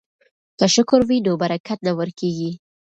که شکر وي نو برکت نه ورکیږي.